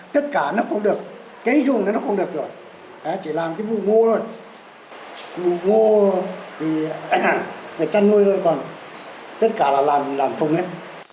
tất cả là làm thông hết